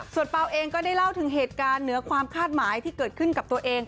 ส่วนเปล่าเองก็ได้เล่าถึงเหตุการณ์เหนือความคาดหมายที่เกิดขึ้นกับตัวเอง